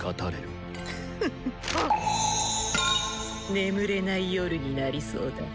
眠れない夜になりそうだ。